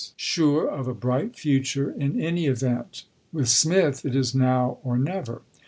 sure of a bright future in any event — with Smith it is now or never."